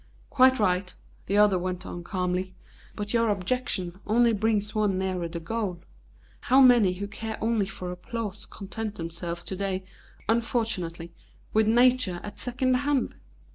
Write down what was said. "Quite right," the other went on calmly. "But your objection only brings one nearer the goal. How many who care only for applause content themselves to day, unfortunately, with Nature at second hand!